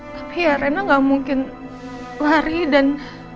tapi ya reno gak mungkin lari dan